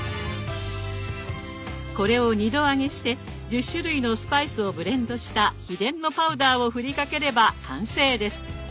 これを２度揚げして１０種類のスパイスをブレンドした秘伝のパウダーをふりかければ完成です。